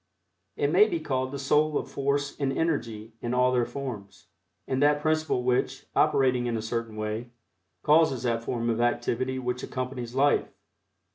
It may be called the soul of Force and Energy in all their forms, and that principle which, operating in a certain way, causes that form of activity which accompanies Life.